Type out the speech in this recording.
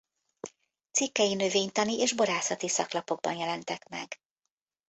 Cikkei növénytani és borászati szaklapokban jelentek meg.